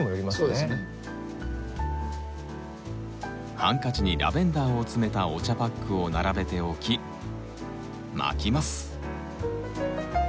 ハンカチにラベンダーを詰めたお茶パックを並べて置き巻きます。